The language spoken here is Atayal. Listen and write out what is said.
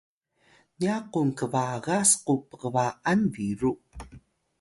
niya kung kbaga sku pkba’an biru